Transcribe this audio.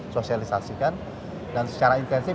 sosialisasikan dan secara intensif